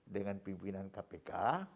dengan pimpinan kpk